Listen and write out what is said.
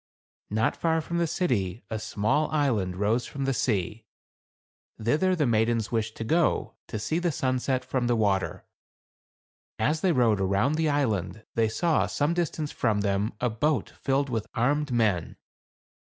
Not far from the city a small island rose from the sea. Thither the maidens wished to go, to see the sunset from the water. As they rowed around the island, they saw, some distance from them, a boat filled with armed men.